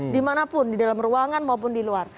di manapun di dalam ruangan maupun di luar